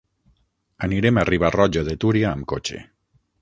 Anirem a Riba-roja de Túria amb cotxe.